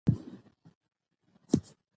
ازادي راډیو د سیاست په اړه د نوښتونو خبر ورکړی.